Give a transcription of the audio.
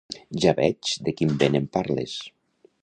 Ja veig de quin vent em parles.